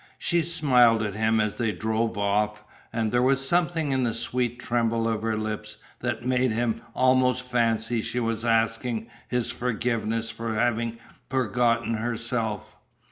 She smiled at him as they drove off, and there was something in the sweet tremble of her lips that made him almost fancy she was asking his forgiveness for having forgotten herself.